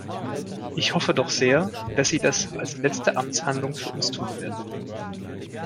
Ich hoffe doch sehr, dass Sie das als letzte Amtshandlung für uns tun werden.